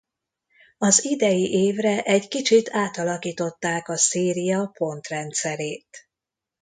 Az idei évre egy kicsit általakították a széria pontrendszerét.